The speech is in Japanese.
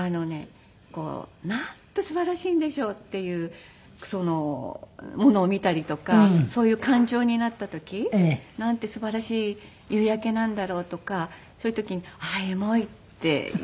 こうなんてすばらしいんでしょうっていうものを見たりとかそういう感情になった時なんてすばらしい夕焼けなんだろうとかそういう時に「あっエモい」って言う。